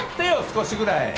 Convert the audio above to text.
少しぐらい。